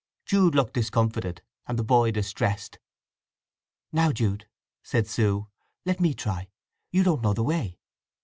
Jude looked discomfited, and the boy distressed. "Now, Jude," said Sue, "let me try. You don't know the way."